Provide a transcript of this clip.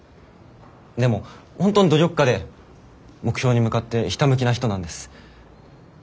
でも本当に努力家で目標に向かってひたむきな人なんです。